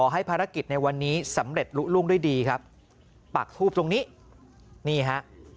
ให้ภารกิจในวันนี้สำเร็จลุล่วงด้วยดีครับปากทูบตรงนี้นี่ฮะ